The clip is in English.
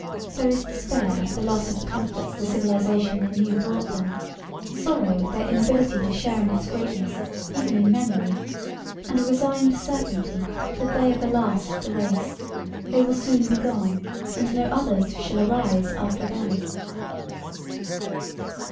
There is despair at the loss of the comforts the civilization they knew brought them, sorrow at their inability to share in its greatness even in memory; and a resigned certainty that they are the last of the race they will soon be gone, and no others shall arise after them.